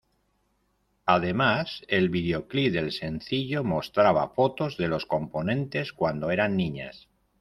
Además, el videoclip del sencillo mostraba fotos de las componentes cuando eran niñas.